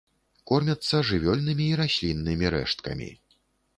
Кормяцца жывёльнымі і расліннымі рэшткамі.